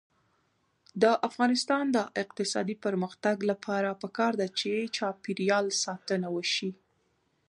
د افغانستان د اقتصادي پرمختګ لپاره پکار ده چې چاپیریال ساتنه وشي.